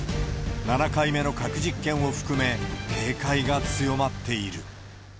７回目の核実験を含め、警戒が強まっている。